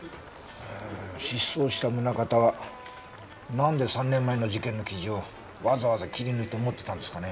失踪した宗形はなんで３年前の事件の記事をわざわざ切り抜いて持ってたんですかね？